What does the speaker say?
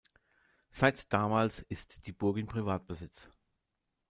Seit damals ist die Burg in Privatbesitz.